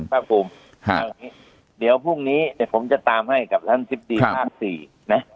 คุณภาคภูมิเดี๋ยวพรุ่งนี้ผมจะตามให้กับท่านทิศทีภาค๔นะ